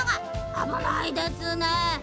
あぶないですね。